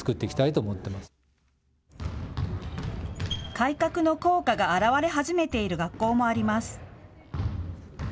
改革の効果が現れ始めている学校もあります。